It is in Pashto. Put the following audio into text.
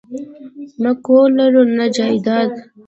نه کور لرو نه جایداد